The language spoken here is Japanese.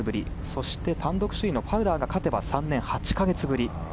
そして、単独首位のファウラーが勝てば３年８か月ぶり。